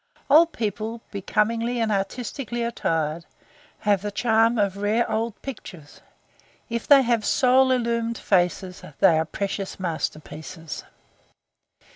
Old people becomingly and artistically attired have the charm of rare old pictures. If they have soul illumined faces they are precious masterpieces.